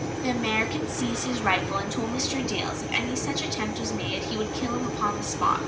The American seized his rifle and told Mr. Dalles if any such attempt was made he would kill him upon the spot.